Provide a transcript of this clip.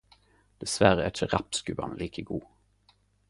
Dessverre er ikkje Rapsgubbene like god.